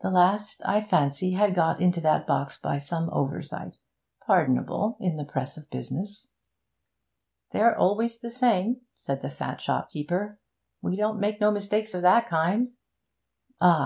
The last, I fancy, had got into that box by some oversight pardonable in the press of business.' 'They're always the same,' said the fat shopkeeper. 'We don't make no mistakes of that kind.' 'Ah!